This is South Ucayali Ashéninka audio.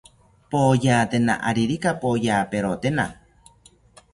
Poyatena aririka poyaperotena